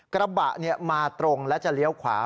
กระบะมาตรงและจะเลี้ยวขวา